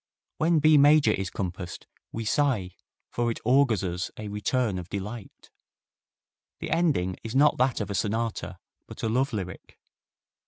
When B major is compassed we sigh, for it augurs us a return of delight. The ending is not that of a sonata, but a love lyric.